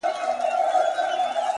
د زلفو بڼ كي د دنيا خاوند دی!!